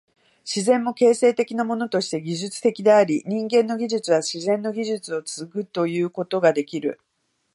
自然も形成的なものとして技術的であり、人間の技術は自然の技術を継ぐということができる。